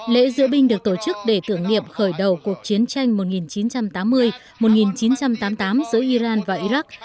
lễ diễu binh được tổ chức để tưởng niệm khởi đầu cuộc chiến tranh một nghìn chín trăm tám mươi một nghìn chín trăm tám mươi tám giữa iran và iraq